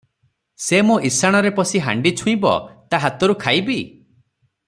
ସେ ମୋ ଇଶାଣରେ ପଶି ହାଣ୍ଡି ଛୁଇଁବ, ତା ହାତରୁ ଖାଇବି?